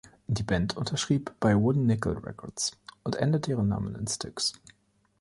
Die Band unterschrieb bei Wooden Nickel Records und änderte ihren Namen in Styx.